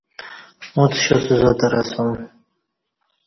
اُݩڅ شاستہ زاتر اسوم